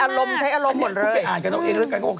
เอานี้ขุมไปอ่านกันแต่กำลังเองก็บอก